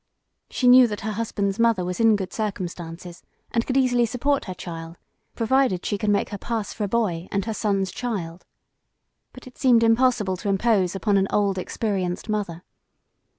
She knew that her husband's mother was in good circumstances, and could easily support her child, provided she could make her pass for a boy, and her son's child. But it seemed impossible to impose upon an old experienced mother.